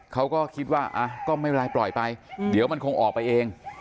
เขาก็คิดว่าก็ไม่เป็นไรปล่อยไปเดี๋ยวมันคงออกไปเอง